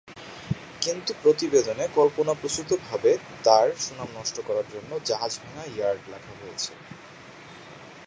কিন্তু প্রতিবেদনে কল্পনাপ্রসূতভাবে তাঁর সুনাম নষ্ট করার জন্য জাহাজভাঙা ইয়ার্ড লেখা হয়েছে।